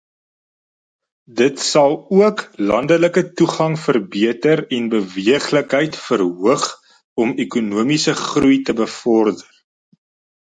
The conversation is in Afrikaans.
Dit sal ook landelike toegang verbeter en beweeglikheid verhoog om ekonomiese groei te bevorder.